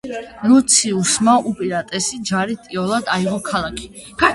ლუციუსმა, უპირატესი ჯარით იოლად აიღო ქალაქი.